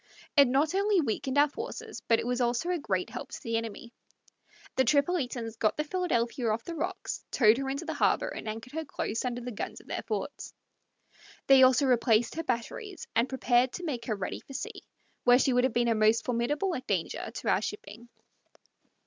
It not only weakened our forces, but it was also a great help to the enemy. The Tripolitans got the Philadelphia off the rocks, towed her into the harbor, and anchored her close under the guns of their forts. They also replaced her batteries, and prepared to make her ready for sea, where she would have been a most formidable danger to our shipping.